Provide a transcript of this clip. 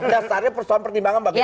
dasarnya persoalan pertimbangan bagi kita